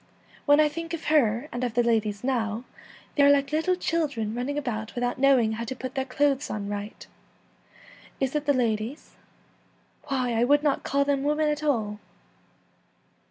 ' When I think of her and of the ladies now, they are like little children running about without know ing how to put their clothes on right. Is it the ladies ? Why, I would not call them women at all.'